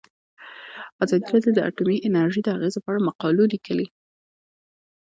ازادي راډیو د اټومي انرژي د اغیزو په اړه مقالو لیکلي.